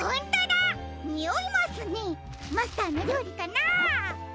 マスターのりょうりかな？